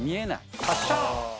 発射。